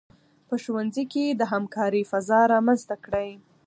په ښوونځي کې د همکارۍ فضا رامنځته کړئ.